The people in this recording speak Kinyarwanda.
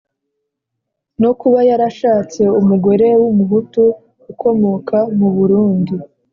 no kuba yarashatse umugore w'umuhutu ukomoka mu burundi.